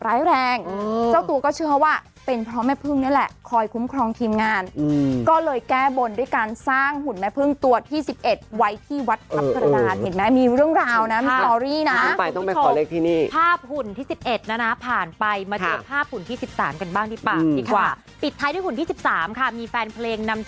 เจ้าตัวก็เชื่อว่าเป็นเพราะแม่พึ่งนี่แหละคอยคุ้มครองทีมงานก็เลยแก้บนด้วยการสร้างหุ่นแม่พึ่งตัวที่๑๑ไว้ที่วัดทัพกระดานเห็นไหมมีเรื่องราวนะมีสตอรี่นะภาพหุ่นที่๑๑นะนะผ่านไปมาเจอภาพหุ่นที่สิบสามกันบ้างดีกว่าดีกว่าปิดท้ายด้วยหุ่นที่๑๓ค่ะมีแฟนเพลงนำ